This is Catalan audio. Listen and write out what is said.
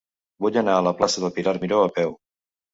Vull anar a la plaça de Pilar Miró a peu.